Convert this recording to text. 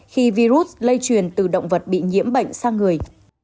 khi virus lây truyền từ động vật bị nhiễm bệnh sang người